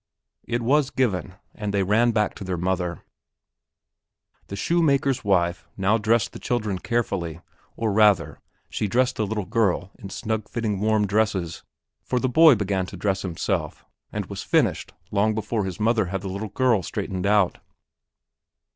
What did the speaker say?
It was given and they ran back to their mother. The shoemaker's wife now dressed the children carefully, or rather, she dressed the little girl in snug fitting warm dresses; for the boy began to dress himself and was finished long before his mother had the little girl straightened out.